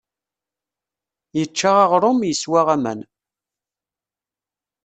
Yečča aɣrum, yeswa aman.